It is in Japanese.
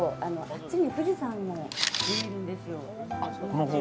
あっちに富士山も見えるんですよ。